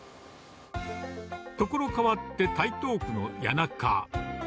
所変わって、台東区の谷中。